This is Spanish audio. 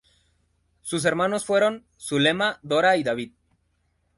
Sus hermanos fueron: Zulema, Dora y David.